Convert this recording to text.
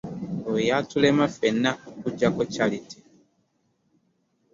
Oyo yatulema ffenna okuggyako Charity.